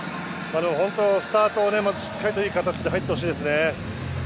でも本当にスタートをまずしっかりいい形で入ってほしいですよね。